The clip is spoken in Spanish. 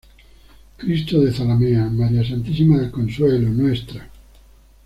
Cristo de Zalamea, María Santísima del Consuelo, Ntra.